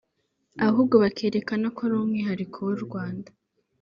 ahubwo bakerekana ko ari umwihariko w’u Rwanda